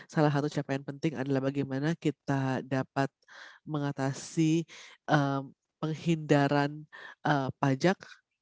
salah satu capaian penting adalah bagaimana kita dapat mengatasi penghindaran pajak